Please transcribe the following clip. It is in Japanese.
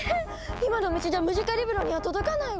今の道じゃムジカリブロには届かないわ！